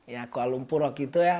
ya ke alumpurok gitu ya